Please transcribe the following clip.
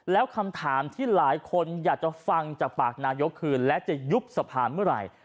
แล้วคำถามที่หลายคนอยากจะฟังจากปากนายกคือและจะยุบสภาเมื่อไหร่